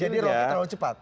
jadi rohoknya terlalu cepat